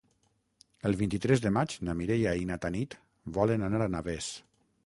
El vint-i-tres de maig na Mireia i na Tanit volen anar a Navès.